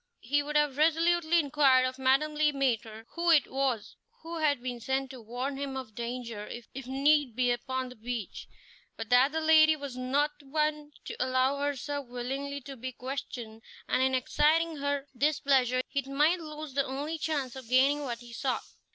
He would have resolutely inquired of Madame Le Maître who it was who had been sent to warn him of danger if need be upon the beach, but that the lady was not one to allow herself willingly to be questioned, and in exciting her displeasure he might lose the only chance of gaining what he sought.